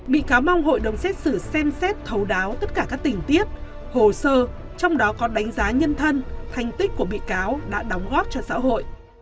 bị cáo mong hội đồng xét xử xem xét thấu đáo tất cả các tình tiết hồ sơ trong đó có đánh giá nhân thân thành tích của bị cáo đã đóng góp cho xã hội